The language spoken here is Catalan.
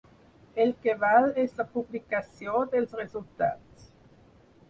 El que val és la publicació dels resultats.